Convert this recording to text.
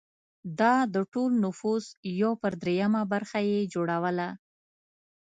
دا د ټول نفوس یو پر درېیمه برخه یې جوړوله